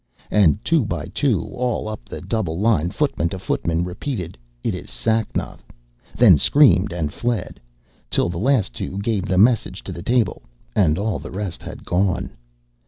And two by two, all up the double line, footman to footman repeated, 'It is Sacnoth,' then screamed and fled, till the last two gave the message to the table, and all the rest had gone.